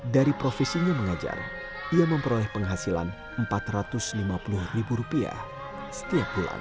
dari profesinya mengajar ia memperoleh penghasilan rp empat ratus lima puluh setiap bulan